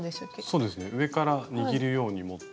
そうですね上から握るように持って。